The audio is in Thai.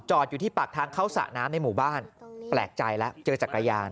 อยู่ที่ปากทางเข้าสระน้ำในหมู่บ้านแปลกใจแล้วเจอจักรยาน